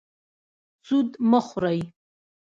سود مه خورئ